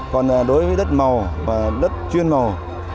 còn đối với đất màu đất chuyên màu đất trồng lúa không đất trồng lúa không